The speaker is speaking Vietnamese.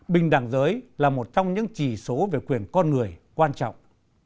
bình đẳng giới là một trong những chỉ số về quyền con người quan trọng